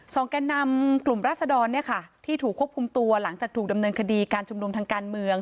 แก่นำกลุ่มรัศดรเนี่ยค่ะที่ถูกควบคุมตัวหลังจากถูกดำเนินคดีการชุมนุมทางการเมือง